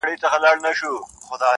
سولاغه هره ورځ څاه ته نه لوېږي -